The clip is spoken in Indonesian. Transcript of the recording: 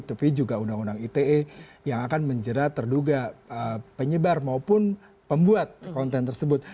tapi juga undang undang ite yang akan menjerat terduga penyebar maupun pembuat konten tersebut